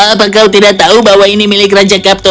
apa kau tidak tahu bahwa ini milik raja gapto